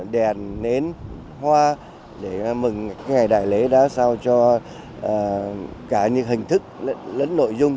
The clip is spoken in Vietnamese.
đèn nến hoa để mừng ngày đại lễ đã sao cho cả những hình thức lớn nội dung